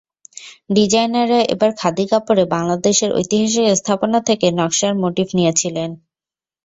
ডিজাইনাররা এবার খাদি কাপড়ে বাংলাদেশের ঐতিহাসিক স্থাপনা থেকে নকশার মোটিফ নিয়েছিলেন।